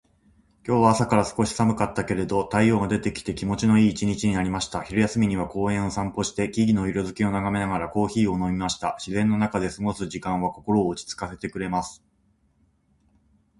今日は朝から少し寒かったけれど、太陽が出てきて気持ちのいい一日になりました。昼休みには公園を散歩して、木々の色づきを眺めながらコーヒーを飲みました。自然の中で過ごす時間は心を落ち着かせてくれます。